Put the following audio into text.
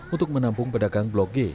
untuk menampung pedagang blok g